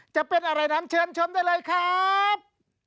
จะเป็นอะไรนั้นเชิญชมได้เลยครับ